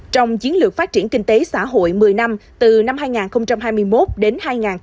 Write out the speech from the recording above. trong chiến lược phát triển kinh tế xã hội một mươi năm từ năm hai nghìn hai mươi một đến hai nghìn ba mươi